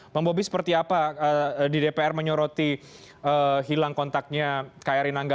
bang bobi seperti apa di dpr menyoroti hilang kontaknya kri nangga